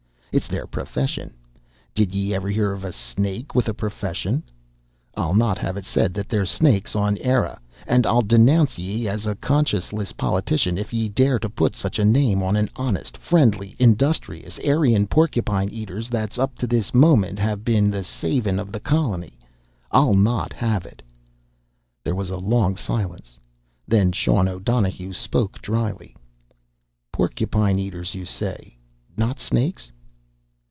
It's their profession! Did yea ever hear of a snake with a profession? I'll not have it said that there's snakes on Eire! And I'll denounce yea as a conscienceless politician if yea dare to put such a name on the honest, friendly, industrious Eirean porcupine eaters that up to this moment have been the savin' of the colony! I'll not have it!" There was a long silence. Then Sean O'Donohue spoke dryly: "Porcupine eaters, you say? Not snakes?"